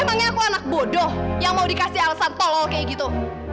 emangnya aku anak bodoh yang mau dikasih alasan tolong kayak gitu